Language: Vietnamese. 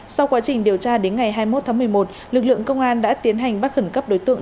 sau quá trình điều tra đến ngày hai mươi một tháng một mươi một lực lượng công an đã tiến hành bắt khẩn cấp đối tượng